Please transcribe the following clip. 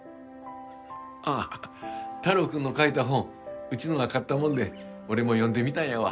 あっ太郎くんの書いた本うちのが買ったもんで俺も読んでみたんやわ。